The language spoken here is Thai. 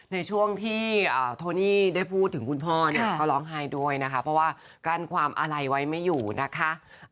ในช่วงที่โทนี่ได้พูดถึงคุณพ่อเนี่ยก็ร้องไห้ด้วยนะคะเพราะว่ากลั้นความอะไรไว้ไม่อยู่นะคะ